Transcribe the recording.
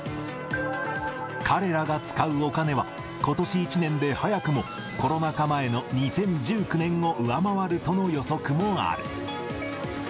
彼らが使うお金は、ことし１年で早くもコロナ禍前の２０１９年を上回るとの予測もある。